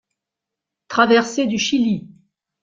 Traversée du Chili